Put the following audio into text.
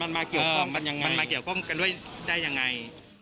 มันมาเกี่ยวกับคนกันยังไงได้ยังไง